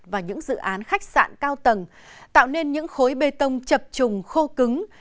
và những dự án khách sạn cao tầng tạo nên những khối bê tông chập trùng khô cứng